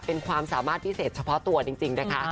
เป็นความสามารถพิเศษเฉพาะตัวจริงนะคะ